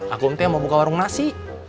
aku ente mau buka warung nasi